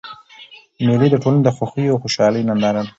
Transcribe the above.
مېلې د ټولني د خوښیو او خوشحالۍ ننداره ده.